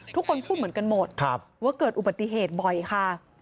ทุกคนพูดเหมือนกันหมดว่าเกิดอุบัติเหตุบ่อยค่ะ